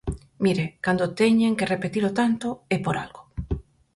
Mire, cando teñen que repetilo tanto, é por algo.